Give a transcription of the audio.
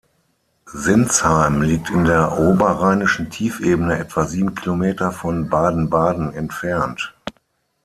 Sinzheim liegt in der Oberrheinischen Tiefebene etwa sieben Kilometer von Baden-Baden entfernt.